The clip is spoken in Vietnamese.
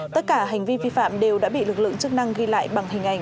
tất cả hành vi vi phạm đều đã bị lực lượng chức năng ghi lại bằng hình ảnh